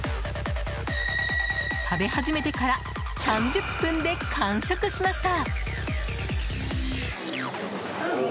食べ始めてから３０分で完食しました。